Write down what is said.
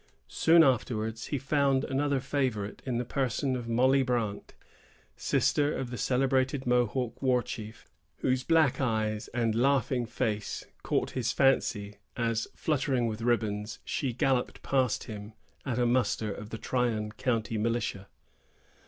Soon afterwards he found another favorite in the person of Molly Brant, sister of the celebrated Mohawk war chief, whose black eyes and laughing face caught his fancy, as, fluttering with ribbons, she galloped past him at a muster of the Tryon county militia.